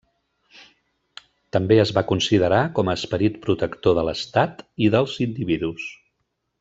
També es va considerar com a esperit protector de l'estat i dels individus.